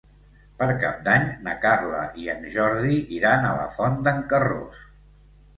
Per Cap d'Any na Carla i en Jordi iran a la Font d'en Carròs.